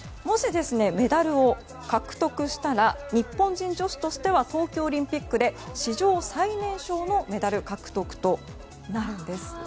もし、メダルを獲得したら日本人女子としては冬季オリンピックで史上最年少のメダル獲得となるんです。